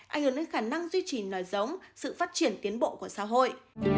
ảnh hưởng đến khả năng duy trì nòi giống sự phát triển tiến bộ của xã hội